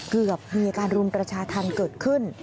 เกือบมีอาการรุมประชาธรรมเกิดขึ้น